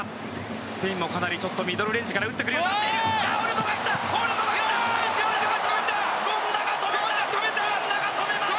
スペインもかなりミドルレンジから打ってくるようになっている。